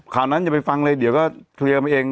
ข่าวนั้นอย่าไปฟังเลยเดี๋ยวก็เคลียร์มาเอง